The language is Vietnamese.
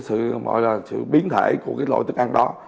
cái sự biến thể của cái loại thức ăn đó